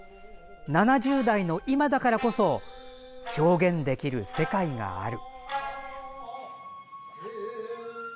７０代の今だからこそ表現できる世界がある。